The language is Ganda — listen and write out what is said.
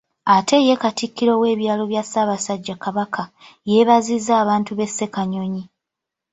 Ate ye Katikkiro w’ebyalo bya Ssaabasajja Kabaka, yeebazizza abantu b’e Ssekanyonyi.